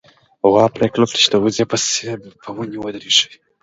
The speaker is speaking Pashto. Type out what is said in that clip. غوا پرېکړه وکړه چې د وزې په څېر په ونې ودرېږي.